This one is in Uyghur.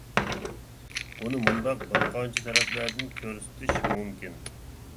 بۇنى مۇنداق بىرقانچە تەرەپلەردىن كۆرسىتىش مۇمكىن.